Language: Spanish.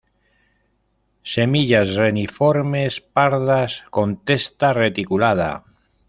Semillas reniformes, pardas, con testa reticulada.